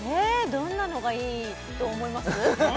どんなのがいいと思います？